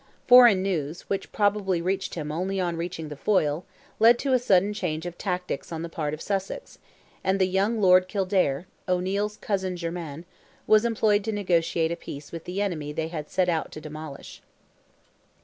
Foreign news, which probably reached him only on reaching the Foyle, led to a sudden change of tactics on the part of Sussex, and the young Lord Kildare—O'Neil's cousin germain, was employed to negotiate a peace with the enemy they had set out to demolish.